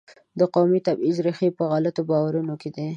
د قومي تبعیض ریښې په غلطو باورونو کې دي.